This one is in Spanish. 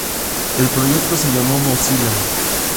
El proyecto se llamó Mozilla.